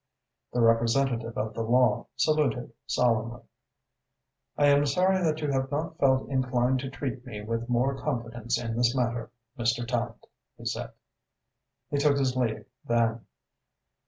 The representative of the law saluted solemnly. "I am sorry that you have not felt inclined to treat me with more confidence in this matter, Mr. Tallente," he said. He took his leave then.